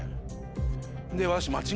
でわし。